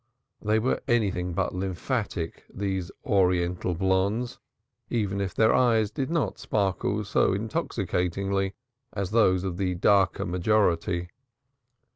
They were anything but lymphatic, these oriental blondes, if their eyes did not sparkle so intoxicatingly as those of the darker majority.